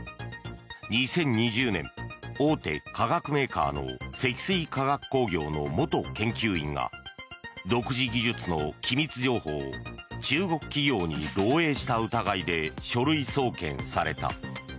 ２０２０年、大手化学メーカーの積水化学工業の元研究員が独自技術の機密情報を中国企業に漏えいした疑いで書類送検された。